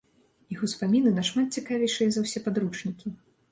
Іх успаміны нашмат цікавейшыя за ўсе падручнікі!